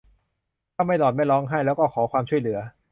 ทำไมหล่อนไม่ร้องไห้แล้วก็ขอความช่วยเหลือ ?